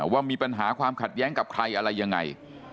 ว่ามีปัญหาความขัดแย้งกับใครอะไรยังไง